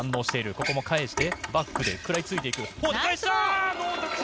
ここも返して、バックで食らいついていく。